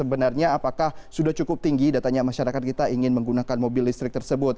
sebenarnya apakah sudah cukup tinggi datanya masyarakat kita ingin menggunakan mobil listrik tersebut